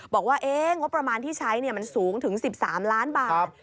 บอกว่างบประมาณที่ใช้มันสูงถึง๑๓ล้านบาท